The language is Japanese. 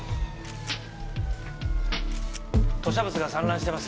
吐しゃ物が散乱してます。